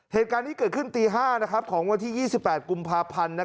เหตุการณ์นี้เกิดขึ้นตี๕ของวันที่๒๘กุมภาพันธ์